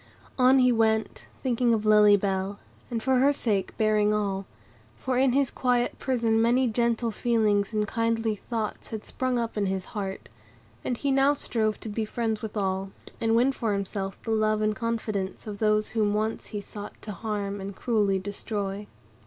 On he went, thinking of Lily Bell, and for her sake bearing all; for in his quiet prison many gentle feelings and kindly thoughts had sprung up in his heart, and he now strove to be friends with all, and win for himself the love and confidence of those whom once he sought to harm and cruelly destroy.